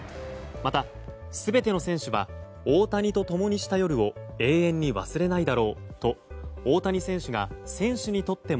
また、全ての選手は大谷と共にした夜を永遠に忘れないだろうと大谷選手が選手にとっても